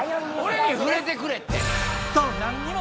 俺に触れてくれって！